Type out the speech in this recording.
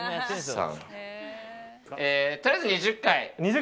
とりあえず２０回。